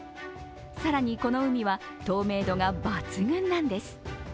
更に、この海は透明度が抜群なんです。